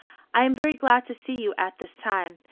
I am very glad to see you at this time.